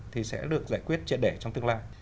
thì sẽ được giải quyết triệt để trong tương lai